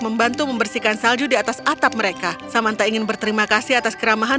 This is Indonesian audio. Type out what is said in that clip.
membantu membersihkan salju di atas atap mereka samanta ingin berterima kasih atas keramahan